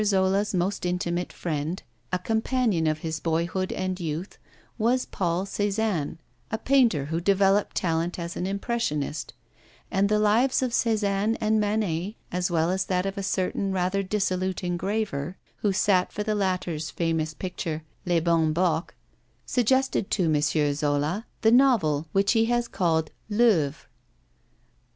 Zola's most intimate friend a companion of his boyhood and youth was Paul Cézanne, a painter who developed talent as an impressionist; and the lives of Cézanne and Manet, as well as that of a certain rather dissolute engraver, who sat for the latter's famous picture Le Bon Bock, suggested to M. Zola the novel which he has called L'Œuvre.